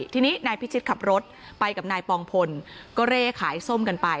ทีนี้นายพิชิตขับรถไปกับนายปองพลก็เร่ขายส้มกันไป